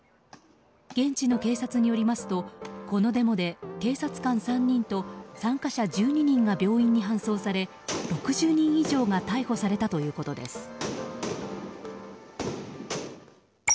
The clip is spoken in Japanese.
現地の警察によりますとこのデモで、警察官３人と参加者１２人が病院に搬送され６０人以上が逮捕されたということです。